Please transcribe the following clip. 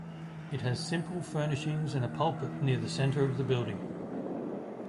It has simple furnishings and a pulpit near the centre of the building.